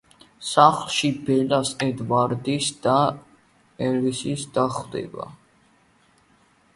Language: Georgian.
სახლში ბელას ედვარდის და, ელისი დახვდება.